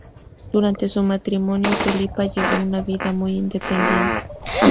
Durante su matrimonio, Felipa llevó una vida muy independiente.